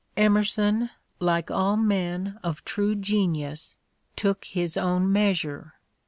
Emerson, like all men of true genius, took his own measure.